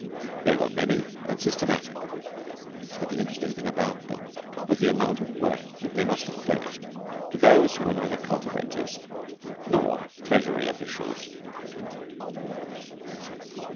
They were many and systematic, but the interesting thing about them was the amount of work that they must have furnished to those who were neither cultivators nor Treasury officials.